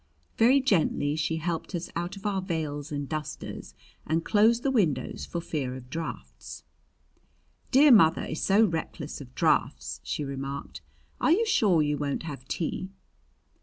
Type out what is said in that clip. Very gently she helped us out of our veils and dusters and closed the windows for fear of drafts. "Dear mother is so reckless of drafts," she remarked. "Are you sure you won't have tea?"